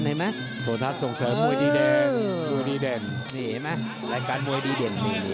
นี้เลยมารายการมวยดีเด่น